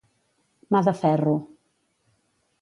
Mà de ferro.